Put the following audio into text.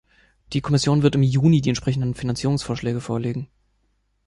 Die Kommission wird im Juni die entsprechenden Finanzierungsvorschläge vorlegen.